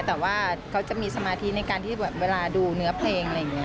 แต่ว่าเขาจะมีสมาธิในการที่แบบเวลาดูเนื้อเพลงอะไรอย่างนี้